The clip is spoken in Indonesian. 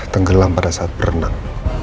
tenggelam pada saat berenang